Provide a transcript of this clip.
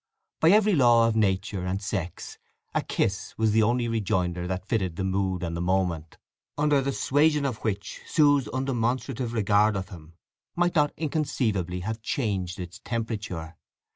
By every law of nature and sex a kiss was the only rejoinder that fitted the mood and the moment, under the suasion of which Sue's undemonstrative regard of him might not inconceivably have changed its temperature.